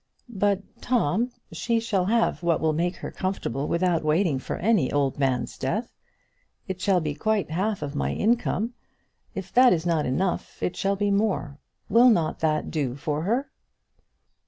"But, Tom, she shall have what will make her comfortable without waiting for any old man's death. It shall be quite half of my income. If that is not enough it shall be more. Will not that do for her?"